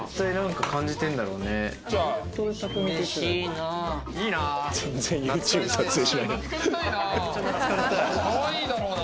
かわいいだろうな。